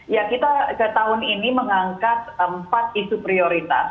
ya kita ke tahun ini mengangkat empat isu prioritas